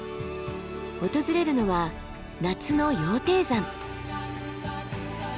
訪れるのは夏の羊蹄山。